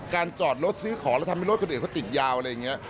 จอดรถซื้อของแล้วทำให้รถคนอื่นเขาติดยาวอะไรอย่างนี้